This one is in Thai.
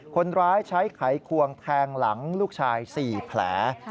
คนร้ายใช้ไขควงแทงหลังลูกชาย๔แผล